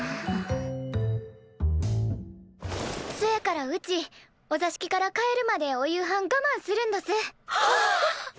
そやからうちお座敷から帰るまでお夕飯がまんするんどす。